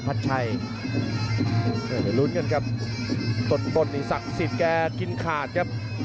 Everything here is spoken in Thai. พัชชัยเดี๋ยวไปรุ้นกันครับตรดนี่ศักดิ์สิทธิ์แก่กินขาดครับ